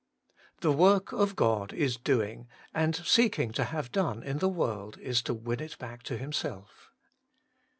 1. The work God is doing, and seeking to have done in the world, is to win it back to Himself.